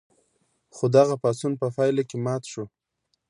خو دغه پاڅون په پایله کې مات شو.